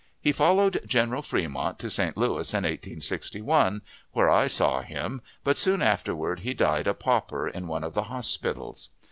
He followed General Fremont to St. Louis in 1861, where I saw him, but soon afterward he died a pauper in one of the hospitals.